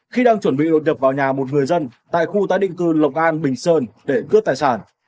khi đang chuẩn bị đột nhập vào nhà một người dân tại khu tái định cư lộc an bình sơn để cướp tài sản